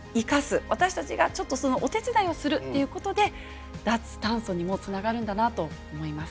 私たちがちょっとそのお手伝いをするっていうことで脱炭素にもつながるんだなと思います。